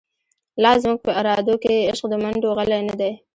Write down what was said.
لا زموږ په ارادو کی، عشق د مڼډو غلۍ نه دۍ